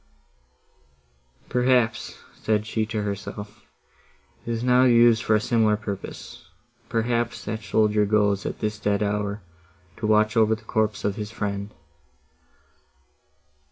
"Perhaps," said she to herself, "it is now used for a similar purpose; perhaps, that soldier goes, at this dead hour, to watch over the corpse of his friend!"